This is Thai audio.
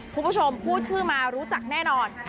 คุณผู้ชมพูดชื่อมารู้จักแน่นอน